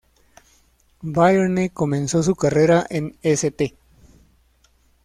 Byrne comenzó su carrera en St.